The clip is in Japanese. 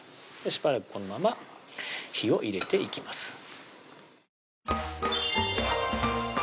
しばらくこのまま火を入れていきます